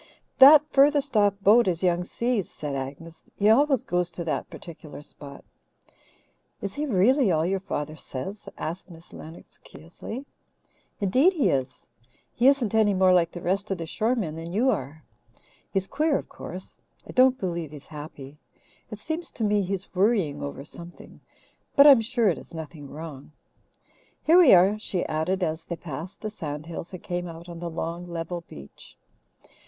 "That furthest off boat is Young Si's," said Agnes. "He always goes to that particular spot." "Is he really all your father says?" asked Miss Lennox curiously. "Indeed, he is. He isn't any more like the rest of the shore men than you are. He's queer, of course. I don't believe he's happy. It seems to me he's worrying over something, but I'm sure it is nothing wrong. Here we are," she added, as they passed the sand hills and came out on the long, level beach.